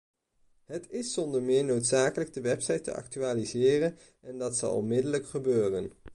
Het is zonder meer noodzakelijk de website te actualiseren en dat zal onmiddellijk gebeuren.